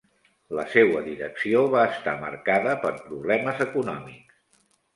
La seua direcció va estar marcada per problemes econòmics.